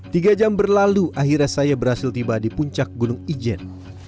tiga jam berlalu akhirnya saya berhasil tiba di puncak gunung ijen